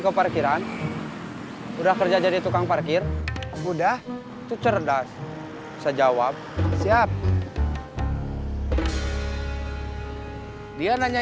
sampai jumpa di video selanjutnya